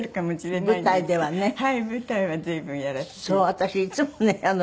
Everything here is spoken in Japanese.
私いつもね